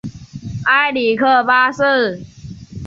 埃里克八世。